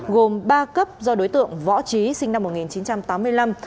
gồm ba cấp do đối tượng võ trí sinh năm một nghìn chín trăm tám mươi năm